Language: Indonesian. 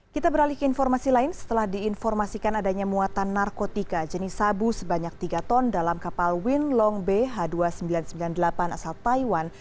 kita beralih ke informasi lain setelah diinformasikan adanya muatan narkotika jenis sabu sebanyak tiga ton dalam kapal win long bh dua ribu sembilan ratus sembilan puluh delapan asal taiwan